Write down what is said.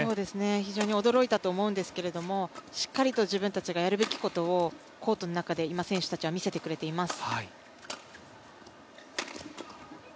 非常に驚いたと思うんですけれどもしっかりと自分たちがやるべきことをコートの中で今、選手たちは見せてくれています。